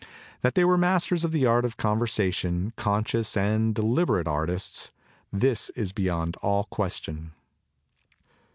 That they were masters of the art of conversation, conscious and deliberate artists, this is be yond all question.